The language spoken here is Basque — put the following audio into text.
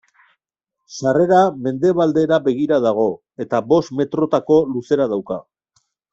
Sarrera mendebaldera begira dago eta bost metrotako luzera dauka.